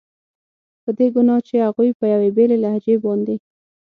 په دې ګناه چې هغوی په یوې بېلې لهجې باندې.